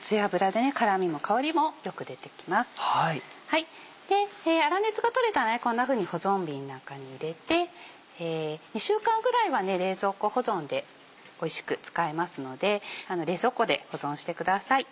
で粗熱がとれたらこんなふうに保存瓶なんかに入れて２週間ぐらいは冷蔵庫保存でおいしく使えますので冷蔵庫で保存してください。